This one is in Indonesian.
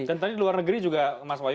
dan tadi di luar negeri juga mas wayu